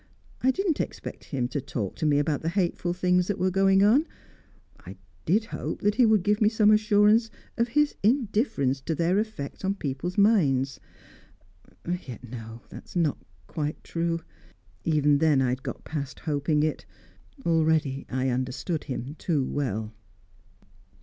I didn't expect him to talk to me about the hateful things that were going on; I did hope that he would give me some assurance of his indifference to their effect on people's minds. Yet no; that is not quite true. Even then, I had got past hoping it. Already I understood him too well."